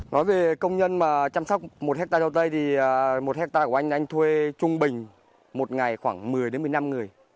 nói về công nhân mà chăm sóc một hecta dâu tây thì một hecta của anh anh thuê trung bình một ngày khoảng một mươi đến một mươi năm người